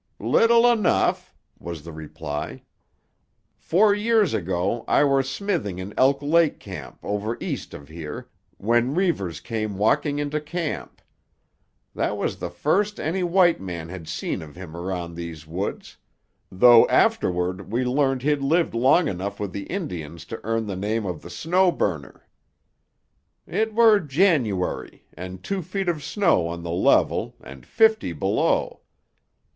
"Little enough," was the reply. "Four year ago I were smithing in Elk Lake Camp over east of here, when Reivers came walking into camp. That was the first any white men had seen of him around these woods, though afterward we learned he'd lived long enough with the Indians to earn the name of the Snow Burner. "It were January, and two feet of snow on the level, and fifty below.